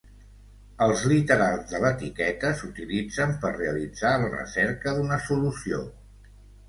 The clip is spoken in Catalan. Els literals de l'etiqueta s'utilitzen per realitzar la recerca d'una solució.